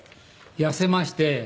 痩せまして。